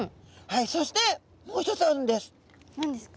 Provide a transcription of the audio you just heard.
はいそしてもう一つあるんです。